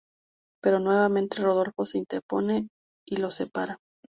Pero nuevamente, Rodolfo se interpone y los separa.